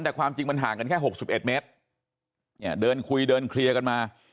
แต่ความจริงมันห่างกันแค่๖๑เมตรเนี่ยเดินคุยเดินเคลียร์กันมา